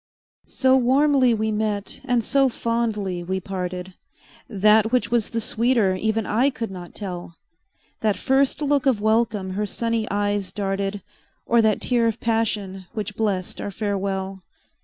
So warmly we met and so fondly we parted, That which was the sweeter even I could not tell, That first look of welcome her sunny eyes darted, Or that tear of passion, which blest our farewell.